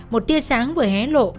một tia sáng vừa hé lộ